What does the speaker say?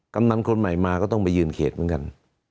กำนันคนใหม่มาก็ต้องไปยืนเขตเหมือนกัน